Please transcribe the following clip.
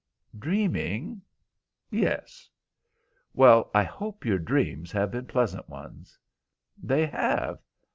Dreaming? Yes." "Well, I hope your dreams have been pleasant ones." "They have."